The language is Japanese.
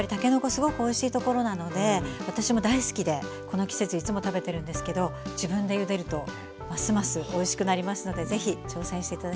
すごくおいしい所なので私も大好きでこの季節いつも食べてるんですけど自分でゆでるとますますおいしくなりますのでぜひ挑戦して頂きたいと思います。